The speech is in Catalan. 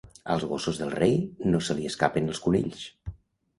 Als gossos del rei no se li escapen els conills.